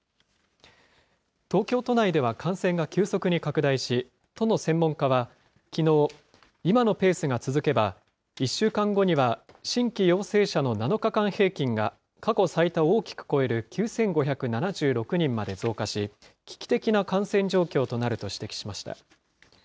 東京都内では感染が急速に拡大し、都の専門家はきのう、今のペースが続けば、１週間後には新規陽性者の７日間平均が過去最多を大きく超える９５７６人まで増加し、危機的な感染状況となると指摘しました。